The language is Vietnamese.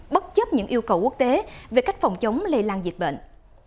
bất chấp những yêu cầu quốc tế về cách phòng chống lây lan dịch bệnh